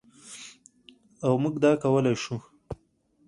او موږ دا کولی شو.